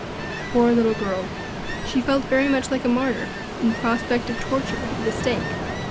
Poor little girl! she felt very much like a martyr in prospect of torture or the stake.